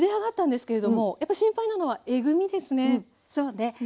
そうね。